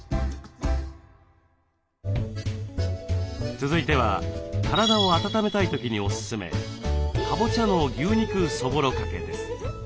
続いては体を温めたい時におすすめ「かぼちゃの牛肉そぼろかけ」です。